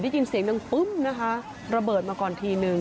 ได้ยินเสียงดังปึ้มนะคะระเบิดมาก่อนทีนึง